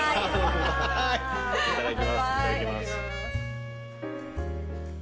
いただきます。